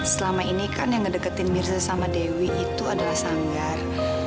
selama ini kan yang ngedekatin mirza sama dewi itu adalah sanggar